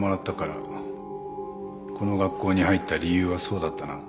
この学校に入った理由はそうだったな？